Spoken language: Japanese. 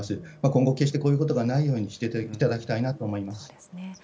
今後、決してこういうことがないようにしていただきたいと思いまそうですね。